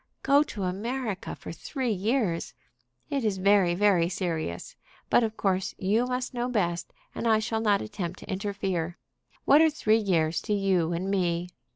"Go to America for three years! It is very, very serious. But of course you must know best, and I shall not attempt to interfere. What are three years to you and me?